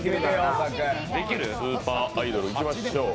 スーパーアイドル、いきましょう。